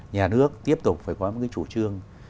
nhà nước tiếp tục phải có một cái chủ trương